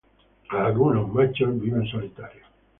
Algunos machos viven solitarios.